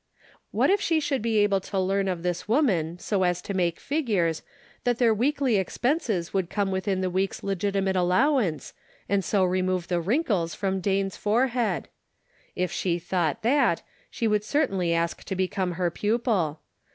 What if she should be able to learn of this woman so as to make figures that their weekly expenses would come within the week's legiti mate allowance, and so remove the wrinkles from Dane's forehead ? If she thought that, she would certainly ask to become her pupil.